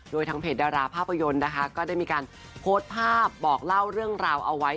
โดยทางเพจดาราภาพยนตร์นะคะก็ได้มีการโพสต์ภาพบอกเล่าเรื่องราวเอาไว้